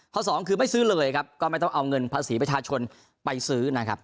สองคือไม่ซื้อเลยครับก็ไม่ต้องเอาเงินภาษีประชาชนไปซื้อนะครับ